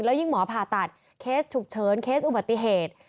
ยิ่งหมอผ่าตัดเคสฉุกเฉินเคสอุบัติเหตุ